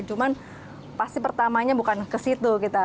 cuma pasti pertamanya bukan ke situ